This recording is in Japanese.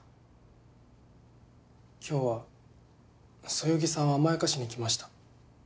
今日はそよぎさんを甘やかしにきました。